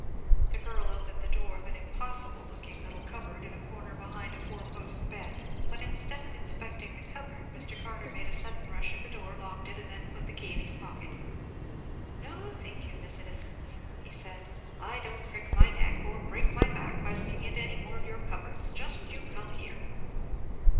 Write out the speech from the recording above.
The girl opened the door of an impossible looking little cupboard in a corner behind a four post bed; but instead of inspecting the cupboard, Mr. Carter made a sudden rush at the door, locked it, and then put the key in his pocket. "No, thank you, Miss Innocence," he said; "I don't crick my neck, or break my back, by looking into any more of your cupboards. Just you come here."